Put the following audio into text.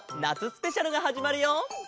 スペシャルがはじまるよ！